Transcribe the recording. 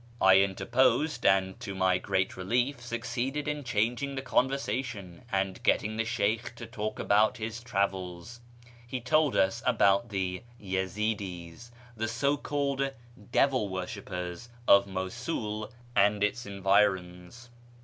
I interposed, and, to my great relief, succeeded in changing the conversation, and getting the Sheykh to talk about his travels. He told us about the Yezi'dis (the so called " Devil worshippers ") of Mosul and its environs.